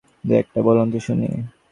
দুই একটা বলুন তো, শুনি।